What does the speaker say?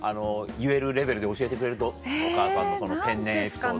言えるレベルで教えてくれるとお母さんの天然エピソード。